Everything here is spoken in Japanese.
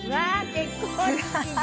結婚式だ！